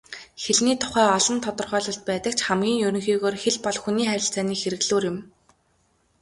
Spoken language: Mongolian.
Хэлний тухай олон тодорхойлолт байдаг ч хамгийн ерөнхийгөөр хэл бол хүний харилцааны хэрэглүүр юм.